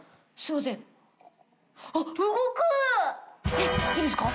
えっいいですか？